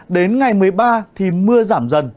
đến ngày một mươi ba thì mưa giảm dần